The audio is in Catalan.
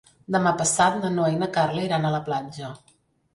Demà passat na Noa i na Carla iran a la platja.